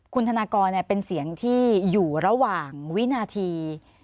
คุณธนากรเป็นเสียงที่อยู่ระหว่างวินาที